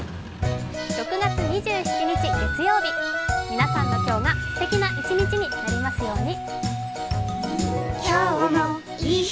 ６月２７日月曜日皆さんの今日がすてきな一日になりますように。